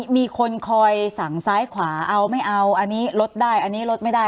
มีคนคอยสั่งซ้ายขวาเอาไม่เอาอันนี้ลดได้อันนี้ลดไม่ได้